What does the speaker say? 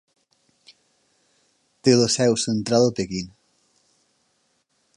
Té la seu central a Pequín.